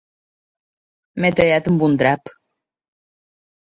M'he tallat amb un drap.